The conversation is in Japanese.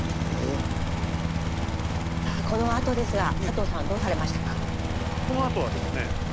さあこのあとですが佐藤さんどうされましたか？